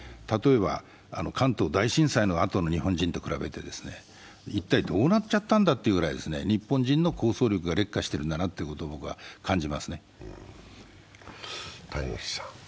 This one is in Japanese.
例えば関東大震災のあとの日本人と比べて一体どうなっちゃったんだということくらい、日本人の構想力が劣化していると感じますね。